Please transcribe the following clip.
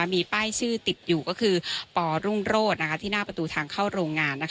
มีป้ายชื่อติดอยู่ก็คือปรุ่งโรศที่หน้าประตูทางเข้าโรงงาน